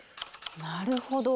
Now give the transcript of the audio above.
なるほど！